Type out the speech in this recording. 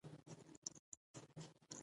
خپل هر ایدیالوژیک مخالف ووژني.